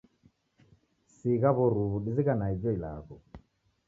Sigha w'oruw'u dizighanaa ijo ilagho.